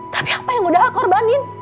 tapi apa yang udah aku korbanin